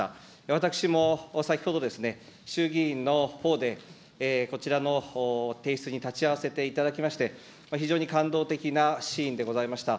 私も先ほどですね、衆議院のほうでこちらの提出に立ち会わせていただきまして、非常に感動的なシーンでございました。